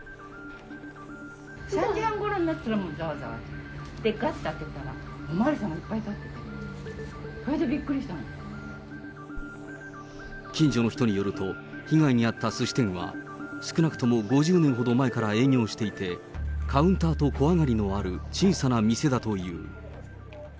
３時半ごろになったらざわざわして、がっと開けたらお巡りさんがいっぱい立ってて、近所の人によると、被害に遭ったすし店は少なくとも５０年ほど前から営業していて、カウンターとこあがりのある小さな店だという。